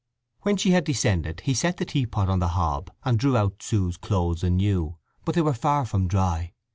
When she had descended he set the teapot on the hob, and drew out Sue's clothes anew; but they were far from dry.